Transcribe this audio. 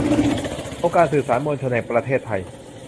องค์การสื่อสารมวลชนแห่งประเทศไทย